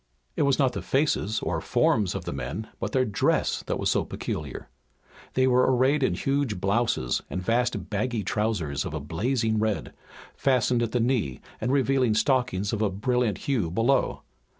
It was not the faces or forms of the men, but their dress that was so peculiar. They were arrayed in huge blouses and vast baggy trousers of a blazing red, fastened at the knee and revealing stockings of a brilliant hue below.